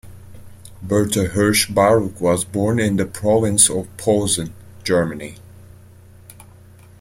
Bertha Hirsch Baruch was born in the Province of Posen, Germany.